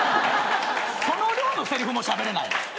その量のせりふもしゃべれない。